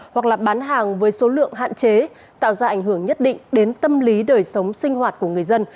hoặc là bán hàng với số lượng hạn chế tạo ra ảnh hưởng nhất định đến tâm lý đời sống sinh hoạt của người dân